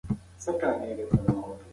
رانجه لګول يو دوديز احساس لري.